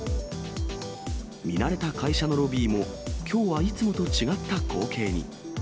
見慣れた会社のロビーも、きょうはいつもと違った光景に。